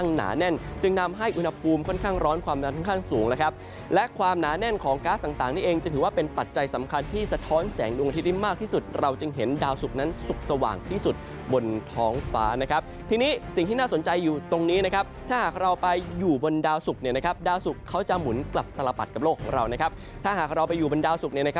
หน้าแน่นของก๊าซต่างนี่เองจะถือว่าเป็นปัจจัยสำคัญที่สะท้อนแสงดวงอาทิตย์ที่มากที่สุดเราจึงเห็นดาวสุกนั้นสุกสว่างที่สุดบนท้องฟ้านะครับทีนี้สิ่งที่น่าสนใจอยู่ตรงนี้นะครับถ้าหากเราไปอยู่บนดาวสุกเนี่ยนะครับดาวสุกเขาจะหมุนกลับทรปัดกับโลกของเรานะครับถ้าหากเราไปอยู่บนดาวสุกเนี่